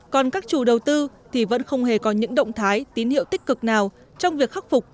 còn các chủ đầu tư thì vẫn không hề có những động thái tín hiệu tích cực nào trong việc khắc phục